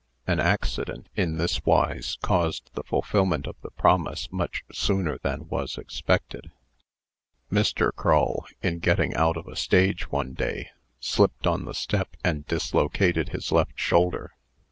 An accident, in this wise, caused the fulfilment of the promise much sooner than was expected. Mr. Crull, in getting out of a stage, one day, slipped on the step, and dislocated his left shoulder.